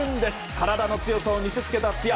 体の強さを見せつけた津屋